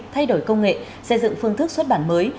thay đổi công nghệ xây dựng phương thức xuất bản mới